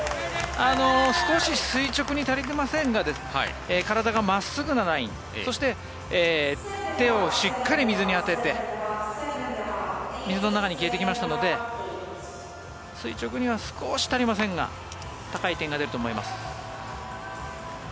少し垂直には足りませんが体が真っすぐなラインそして手をしっかり水に当てて水の中に消えていきましたので垂直には少し足りませんが高い点が出ると思います。